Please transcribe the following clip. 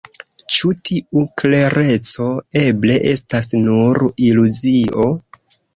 Ĉu tiu klereco eble estas nur iluzio?